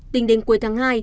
tính đến cuối tháng hai